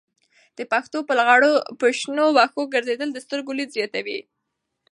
د پښو په لغړو په شنو وښو ګرځېدل د سترګو لید زیاتوي.